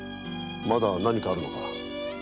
まだ何かあるのか。